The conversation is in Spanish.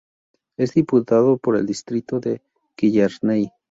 Es Diputado por el distrito de Killarney.